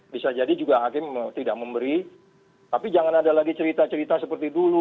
bisa jadi juga hakim tidak memberi tapi jangan ada lagi cerita cerita seperti dulu